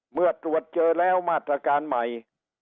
เมื่อตรวจเจอแล้วมาตรการใหม่